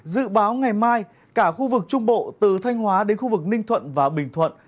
dự báo ngày mai cả khu vực trung bộ từ thanh hóa đến khu vực ninh thuận và bình thuận